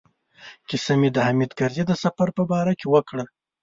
کیسه مې د حامد کرزي د سفر په باره کې وکړه.